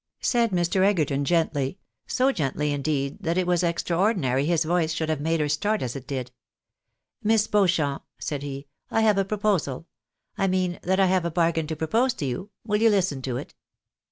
said Mr. Egerton, gently — so gently, indeed, that it was extraordinary his voice should have made her start as it did. " JMiss Beauchamp," said he, " I have a proposal —• I mean that I have a bargain to propose to you ; will you listen to it?"